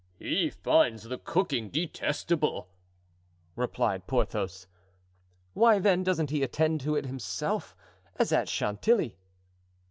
"He finds the cooking detestable," replied Porthos. "Why, then, doesn't he attend to it himself, as at Chantilly?"